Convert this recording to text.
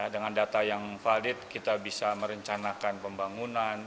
dengan data yang valid kita bisa merencanakan pembangunan